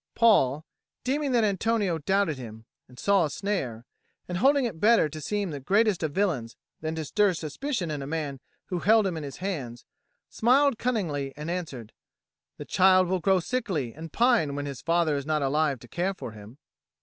Paul, deeming that Antonio doubted him and saw a snare, and holding it better to seem the greatest of villains than to stir suspicion in a man who held him in his hands, smiled cunningly, and answered, "The child will grow sickly and pine when his father is not alive to care for him."